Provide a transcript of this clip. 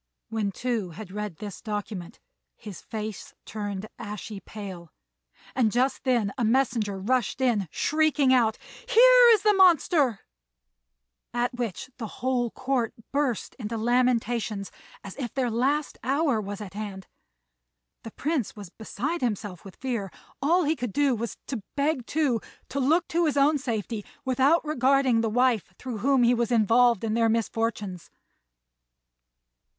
When Tou had read this document his face turned ashy pale; and just then a messenger rushed in, shrieking out, "Here is the monster!" at which the whole Court burst into lamentations as if their last hour was at hand. The Prince was beside himself with fear; all he could do was to beg Tou to look to his own safety without regarding the wife through whom he was involved in their misfortunes.